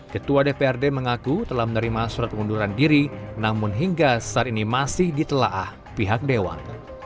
ketua dprd mengaku telah menerima surat pengunduran diri namun hingga saat ini masih ditelaah pihak dewan